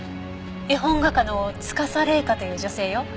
絵本画家の司麗香という女性よ。